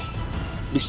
bisa menangani aku